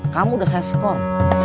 kamu udah saya sekol